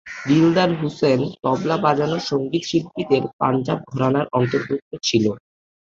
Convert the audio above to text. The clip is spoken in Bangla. দিলদার হুসেন তবলা বাজানো সংগীত শিল্পীদের পাঞ্জাব ঘরানার অন্তর্ভুক্ত ছিল।